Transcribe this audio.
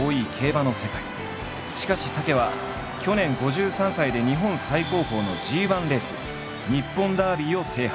しかし武は去年５３歳で日本最高峰のＧ１レース日本ダービーを制覇。